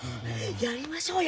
やりましょうよ！